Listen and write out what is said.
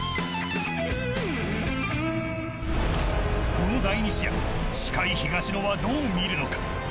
この第２試合司会、東野はどう見るのか。